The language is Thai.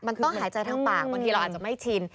มันต้องหายใจทั้งปากบางทีเราอาจจะไม่ชิน